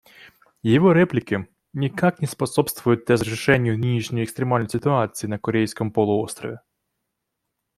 Его реплики никак не способствуют разрешению нынешней экстремальной ситуации на Корейском полуострове.